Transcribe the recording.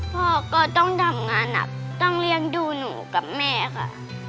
พ่อก็ต้องทำงานหนักต้องเลี้ยงดูหนูกับแม่ค่ะ